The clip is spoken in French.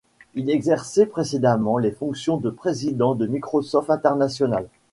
Il exerçait précédemment les fonctions de président de Microsoft International.